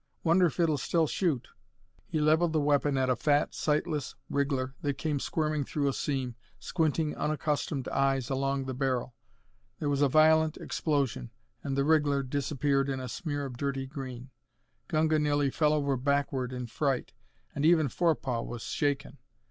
Wonder if it'll still shoot." He leveled the weapon at a fat, sightless wriggler that came squirming through a seam, squinting unaccustomed eyes along the barrel. There was a violent explosion, and the wriggler disappeared in a smear of dirty green. Gunga nearly fell over backward in fright, and even Forepaugh was shaken.